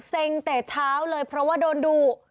แต่เช้าเลยเพราะว่าโดนดุ